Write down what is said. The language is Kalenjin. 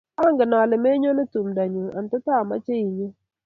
angen ale menyone tumdo nyu, anta taameche inyo